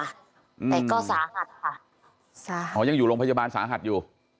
แต่ก็สาหัสค่ะอ๋อยังอยู่โรงพยาบาลสาหัสอยู่